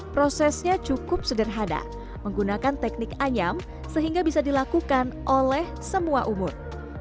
prosesnya cukup sederhana menggunakan teknik anyam sehingga bisa dilakukan oleh semua umur